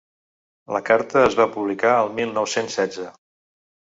La carta es va publicar el mil nou-cents setze.